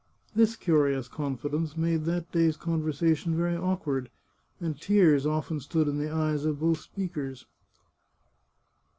This curious confidence made that day's conversation very awkward, and tears often stood in the eyes of both speakers.